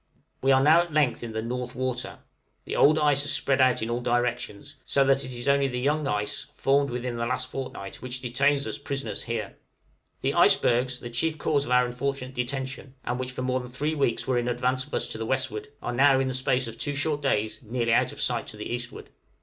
We are now at length in the "North Water;" the old ice has spread out in all directions, so that it is only the young ice formed within the last fortnight which detains us prisoners here. The icebergs, the chief cause of our unfortunate detention, and which for more than three weeks were in advance of us to the westward, are now, in the short space of two days, nearly out of sight to the eastward.